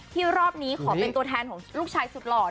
รอบนี้ขอเป็นตัวแทนของลูกชายสุดหล่อ